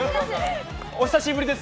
お久しぶりです。